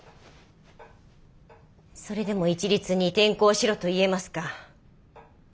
それでも一律に転校しろと言えますか？